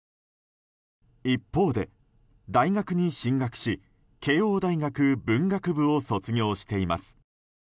一方で、大学に進学し慶應大学文学部を卒業しています。